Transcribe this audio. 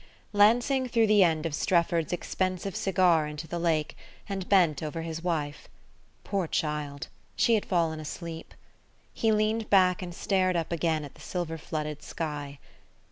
LANSING threw the end of Strefford's expensive cigar into the lake, and bent over his wife. Poor child! She had fallen asleep.... He leaned back and stared up again at the silver flooded sky.